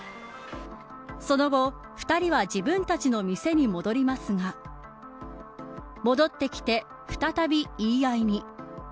その後、２人は自分たちの店に戻りますが戻ってきて、再び言い合いに。